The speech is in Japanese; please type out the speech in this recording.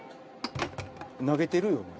投げてるよね。